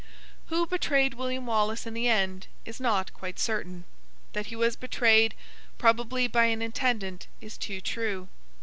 Who betrayed William Wallace in the end, is not quite certain. That he was betrayed—probably by an attendant—is too true.